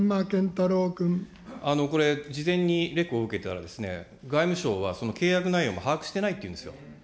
これ、事前にレクを受けたら、外務省は契約内容も把握していないというんですよ。